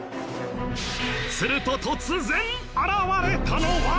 すると突然現れたのは。